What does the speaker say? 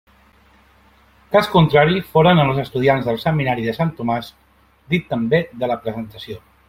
Cas contrari foren els estudiants del seminari de Sant Tomàs, dit també de la Presentació.